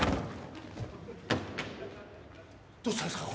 どうしたんですか？